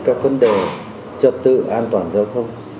các vấn đề trật tự an toàn giao thông